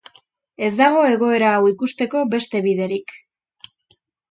Ez dago egoera hau ikusteko beste biderik.